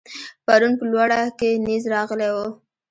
پرون په لوړه کې نېز راغلی و.